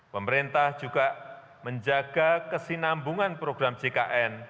pemerintah juga menjaga kesinambungan program jkn